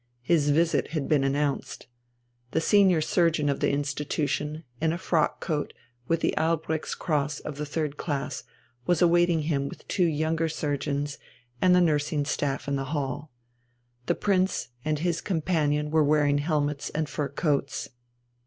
His visit had been announced. The senior surgeon of the institution, in a frock coat with the Albrechts Cross of the Third Class, was awaiting him with two younger surgeons and the nursing staff in the hall. The Prince and his companion were wearing helmets and fur coats.